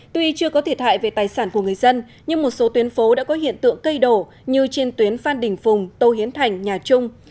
tuy chưa có thiệt hại về tài sản của người dân nhưng một số tuyến phố đã có hiện tượng cây đổ như trên tuyến phan đình phùng tô hiến thành nhà trung